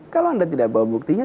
kalau anda tidak bawa buktinya